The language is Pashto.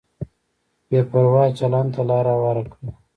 بې پروا چلند ته لار هواره کړي.